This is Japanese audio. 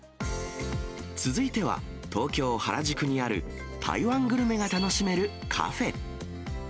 続いては、東京・原宿にある台湾グルメが楽しめるカフェ。